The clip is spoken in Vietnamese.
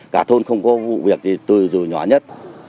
cả thôn không có vụ việc gì dù nhỏ nhất